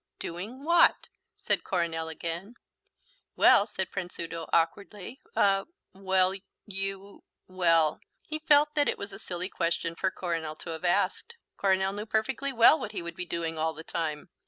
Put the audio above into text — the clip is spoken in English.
"Doing what?" said Coronel again. "Well," said Prince Udo awkwardly, "er well, you well." He felt that it was a silly question for Coronel to have asked. Coronel knew perfectly well what he would be doing all the time.